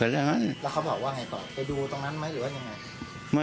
ได้ไป